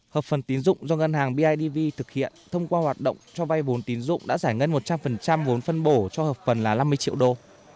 hợp phần tín dụng do ngân hàng bidv thực hiện thông qua hoạt động cho vay vốn tín dụng đã giải ngân một trăm linh vốn phân bổ cho hợp phần là năm mươi triệu đô